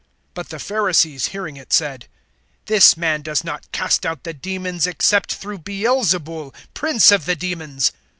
(24)But the Pharisees hearing it said: This man does not cast out the demons, except through Beelzebul, prince of the demons.